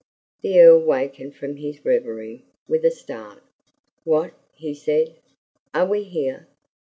The Earl wakened from his reverie with a start. "What!" he said. "Are we here?"